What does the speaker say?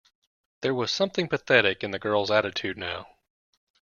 There was something pathetic in the girl's attitude now.